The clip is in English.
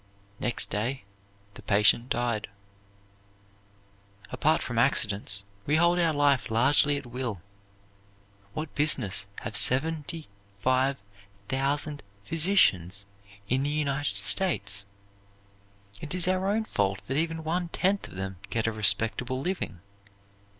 Next day the patient died. Apart from accidents, we hold our life largely at will. What business have seventy five thousand physicians in the United States? It is our own fault that even one tenth of them get a respectable living.